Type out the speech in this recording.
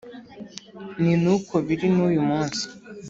Ni nuko biri n uyu munsi